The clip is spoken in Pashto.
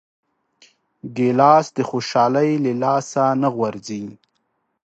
ګیلاس د خوشحالۍ له لاسه نه غورځي.